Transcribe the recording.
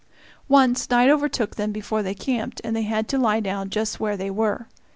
Once night overtook them before they camped, and they had to lie down just where they were.